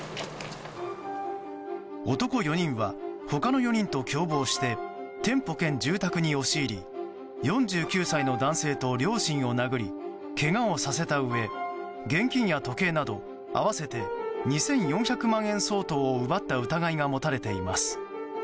男４人は他の４人と共謀して店舗兼住宅に押し入り４９歳の男性と両親を殴りけがをさせたうえ現金や時計など合わせて２４００万円相当を奪った疑いが持たれています。